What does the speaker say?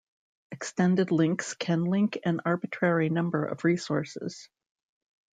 Extended links can link an arbitrary number of resources.